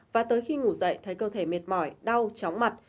và tới khi ngủ dậy thấy cơ thể mệt mỏi đau chóng mặt